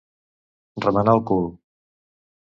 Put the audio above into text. Remenar el cul.